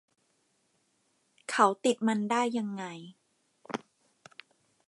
เขาติดมันได้ยังไง